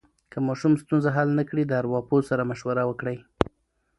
که ماشوم ستونزه حل نه کړي، د ارواپوه سره مشوره وکړئ.